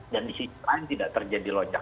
dan di situ lain tidak terjadi lonjakan